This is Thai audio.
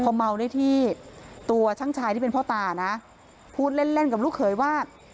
พอเมาได้ที่ตัวช่างชายที่เป็นพ่อตานะพูดเล่นเล่นกับลูกเขยว่า